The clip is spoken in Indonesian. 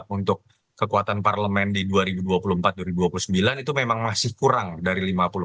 untuk kekuatan parlemen di dua ribu dua puluh empat dua ribu dua puluh sembilan itu memang masih kurang dari lima puluh empat